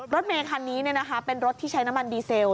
รถเมคันนี้เป็นรถที่ใช้น้ำมันดีเซล